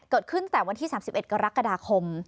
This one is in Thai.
เกิดขึ้นแต่วันที่๓๑กรกฎาคม